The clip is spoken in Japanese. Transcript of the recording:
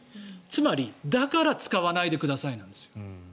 つまり、だから使わないでくださいなんですよ。